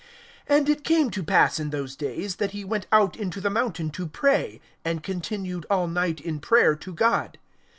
(12)And it came to pass in those days, that he went out into the mountain to pray, and continued all night in prayer to God.